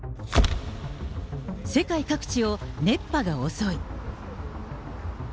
世界各地を熱波が襲い。